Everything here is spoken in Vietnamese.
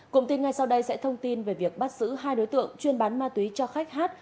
cụm tin ngay sau đây sẽ thông tin về việc bắt giữ hai đối tượng chuyên bán ma túy cho khách hát